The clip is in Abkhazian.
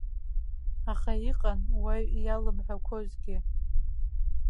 Аха иҟан уаҩ иалымҳәақәозгьы.